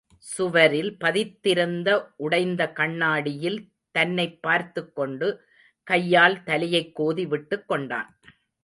சுவரில் பதித்திருந்த உடைந்த கண்ணாடியில் தன்னைப் பார்த்துக் கொண்டு, கையால் தலையைக் கோதி விட்டுக் கொண்டான்.